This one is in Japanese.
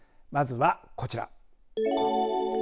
まずはこちら。